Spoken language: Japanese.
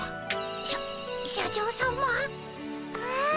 しゃ社長さま。わ。